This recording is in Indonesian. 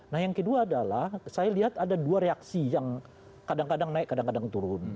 nah yang kedua adalah saya lihat ada dua reaksi yang kadang kadang naik kadang kadang turun